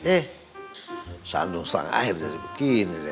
eh sandung selang air jadi begini deh